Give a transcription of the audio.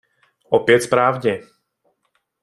Opět správně.